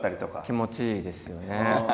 気持ちいいですよね。